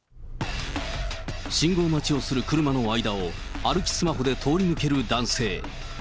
信号待ちをする車の間を歩きスマホで通り抜ける男性。